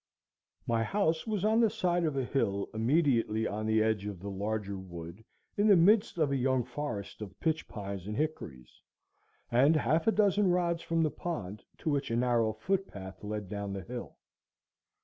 My house was on the side of a hill, immediately on the edge of the larger wood, in the midst of a young forest of pitch pines and hickories, and half a dozen rods from the pond, to which a narrow footpath led down the hill.